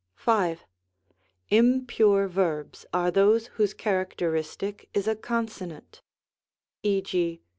Impure verbs are those whose characteristic is a consonant; e. g.